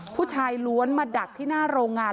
ผู้ชายล้วนมาดักที่หน้าโรงงาน